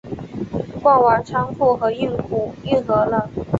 逛完仓库和运河了